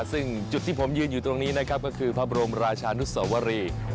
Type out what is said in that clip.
ซึ่งจุดที่ผมยืนอยู่ตรงนี้นะครับก็คือพระบรมราชานุสวรี